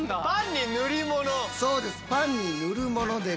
パンにヌリもの。